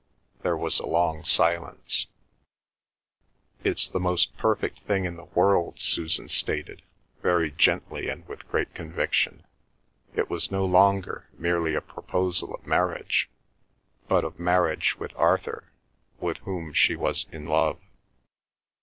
There was a long silence. "It's the most perfect thing in the world," Susan stated, very gently and with great conviction. It was no longer merely a proposal of marriage, but of marriage with Arthur, with whom she was in love.